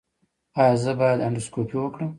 ایا زه باید اندوسکوپي وکړم؟